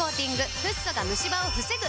フッ素がムシ歯を防ぐ！